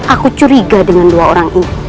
aku curiga dengan dua orang ini